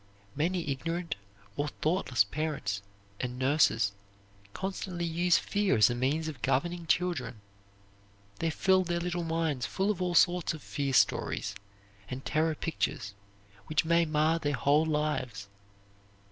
Many ignorant or thoughtless parents and nurses constantly use fear as a means of governing children. They fill their little minds full of all sorts of fear stories and terror pictures which may mar their whole lives.